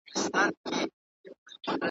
د هغې ورځي په تمه سپینوم تیارې د عمر ,